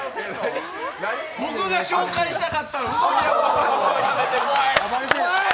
僕が紹介したかったのに。